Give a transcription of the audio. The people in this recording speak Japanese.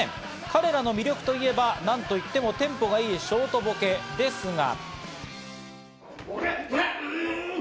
彼らの魅力といえば、なんといってもテンポがいいショートボケですが。